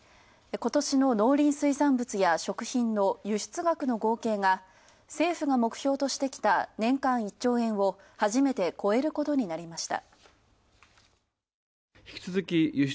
ことしの農林水産物や食品の輸出額の合計が政府が目標としてきた年間１兆円を初めて超えることになりました。